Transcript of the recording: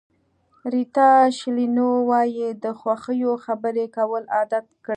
ریتا شیلینو وایي د خوښیو خبرې کول عادت کړئ.